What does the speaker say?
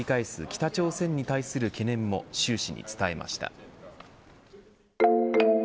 北朝鮮に対する懸念も習氏に伝えました。